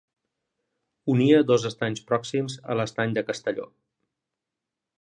Unia dos estanys pròxims a l'estany de Castelló.